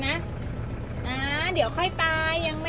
กินข้าวขอบคุณครับ